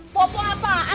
bu bu apa apaan